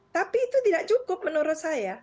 tapi itu tidak cukup menurut saya